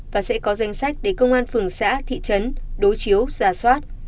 và sẽ có danh sách để công an phường xã thị trấn đối chiếu giả soát